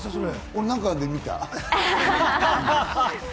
俺、なんかで見た。